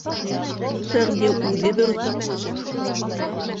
Ул Сәғди үҙе бер оҫта плотник.